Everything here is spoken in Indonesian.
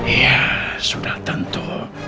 ya sudah tentu